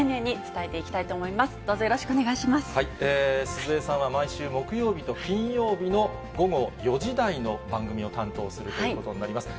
鈴江さんは毎週木曜日と金曜日の午後４時台の番組を担当するということになります。